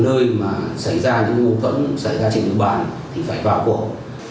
nơi mà xảy ra những mâu thuẫn xảy ra trên địa bàn thì phải vào cuộc